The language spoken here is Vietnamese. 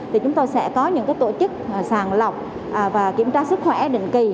thì chúng tôi sẽ có những tổ chức sàng lọc và kiểm tra sức khỏe định kỳ